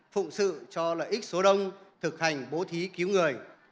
phụng sự cho lợi ích số đông thực hành bố trí cứu người